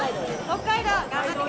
北海道。